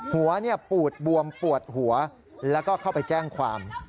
หัวปูดบวมปวดหัวแล้วก็เข้าไปแจ้งความ